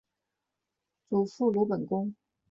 祖父鲁本恭。